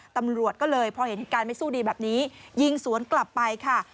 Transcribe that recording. ตำรวจก็เลยพอเห็นเหตุการณ์ไม่สู้ดีแบบนี้ยิงสวนกลับไปค่ะ